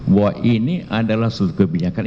bahwa ini adalah suatu kebijakan